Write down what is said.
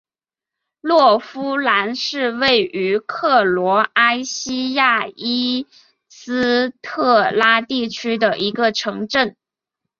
洛夫兰是位于克罗埃西亚伊斯特拉地区的一个城镇。